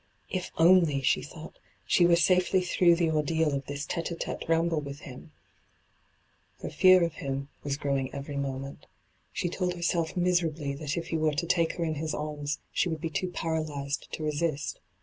If only, she thought, she were safely through the ordeal of this Ute d, t4te ramble with him I Her fear of him ENTRAPPED 235 was growing every moment She told herself miserably thai if he were to take her in his arms she would be too paralyzed to resiet.